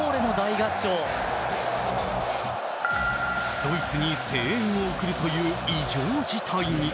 ドイツに声援を送るという異常事態に。